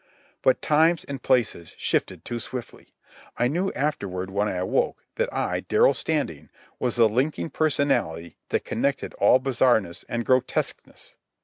But times and places shifted too swiftly. I knew afterward, when I awoke, that I, Darrell Standing, was the linking personality that connected all bizarreness and grotesqueness.